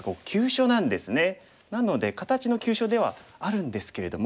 なので形の急所ではあるんですけれども。